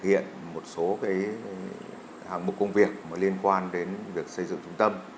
công ty đã thực hiện một số hạng mục công việc liên quan đến việc xây dựng trung tâm